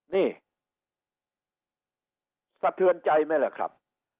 นี่สะเทือนใจไหมล่ะครับ